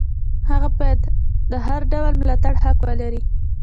هغه باید د هر ډول ملاتړ حق ولري.